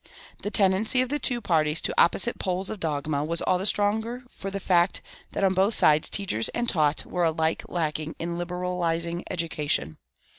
The tendency of the two parties to opposite poles of dogma was all the stronger for the fact that on both sides teachers and taught were alike lacking in liberalizing education.